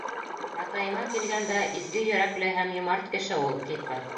Атайыма килгәндә, изге йөрәкле һәм йомарт кеше ул, — ти ҡыҙ.